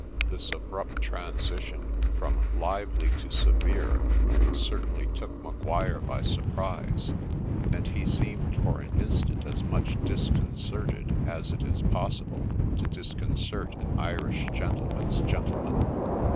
' This abrupt transition from ' lively to severe ' certainly took Maguire by surprise, and he seemed for an instant as much disconcerted as it is possible to disconcert an Irish gentleman's gentleman.